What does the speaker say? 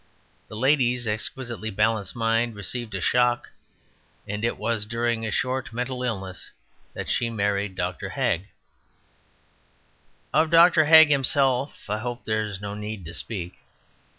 The lady's exquisitely balanced mind received a shock, and it was during a short mental illness that she married Dr. Hagg. Of Dr. Hagg himself I hope there is no need to speak.